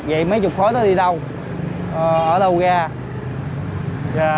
vậy mấy chục khối nó đi đâu ở đâu ra